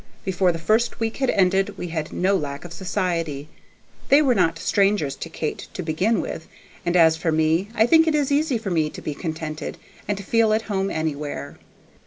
Before the first week had ended we had no lack of society. They were not strangers to Kate, to begin with, and as for me, I think it is easy for me to be contented, and to feel at home anywhere.